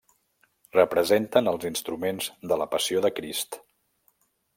Representen els instruments de la Passió de Crist.